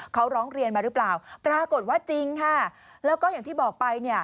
เขาร้องเรียนมาหรือเปล่าปรากฏว่าจริงค่ะแล้วก็อย่างที่บอกไปเนี่ย